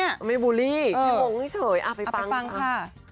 พี่แจงว่าไม่บูรีแค่น้องเฉยอ่ะไปฟังค่ะ